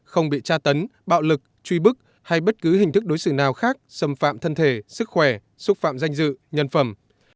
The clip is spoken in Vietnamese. không bị tra tấn bạo lực truy bức hay bất cứ hình thức đối xử nào khác xâm phạm thân thể sức khỏe xúc phạm danh dự nhân phẩm